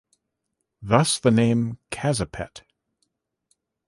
Thus the name Kazipet.